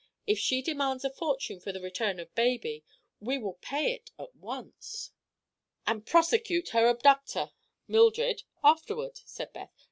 If she demands a fortune for the return of baby, we will pay it at once." "And prosecute her abductor, Mildred, afterward," said Beth.